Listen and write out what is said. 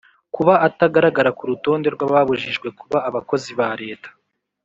kuba atagaragara ku rutonde rw’ababujijwe kuba abakozi ba leta;